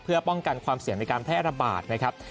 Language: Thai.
เพื่อป้องกันความเสี่ยงในการแพร่ระบาดนะครับ